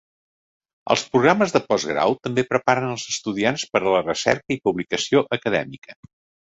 Els programes de postgrau també preparen als estudiants per a la recerca i publicació acadèmica.